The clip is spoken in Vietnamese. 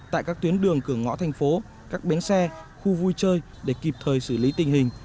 tại các tuyến đường cửa ngõ thành phố các bến xe khu vui chơi để kịp thời xử lý tình hình